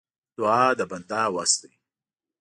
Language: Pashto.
دعا د بنده وس دی.